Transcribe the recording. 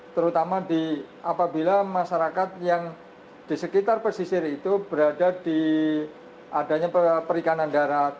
terutama apabila masyarakat yang di sekitar pesisir itu berada di adanya perikanan darat